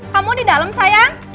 kamu di dalam sayang